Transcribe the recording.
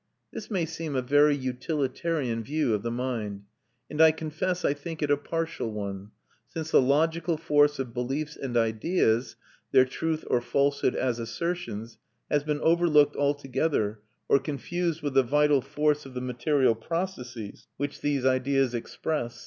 This may seem a very utilitarian view of the mind; and I confess I think it a partial one, since the logical force of beliefs and ideas, their truth or falsehood as assertions, has been overlooked altogether, or confused with the vital force of the material processes which these ideas express.